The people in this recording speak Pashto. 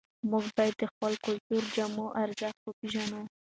موږ باید د خپلو کلتوري جامو ارزښت وپېژنو.